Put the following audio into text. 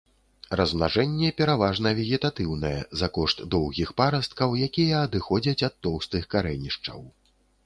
Размнажэнне пераважна вегетатыўнае за кошт доўгіх парасткаў, якія адыходзяць ад тоўстых карэнішчаў.